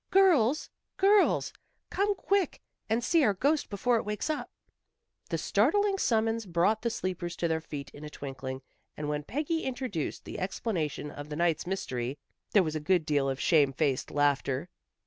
"Girls! Girls! Come quick and see our ghost before it wakes up!" The startling summons brought the sleepers to their feet in a twinkling and when Peggy introduced the explanation of the night's mystery, there was a good deal of shame faced laughter.